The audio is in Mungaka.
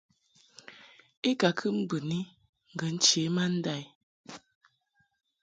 I ka kɨ mbɨni ŋgə nche ma nda i.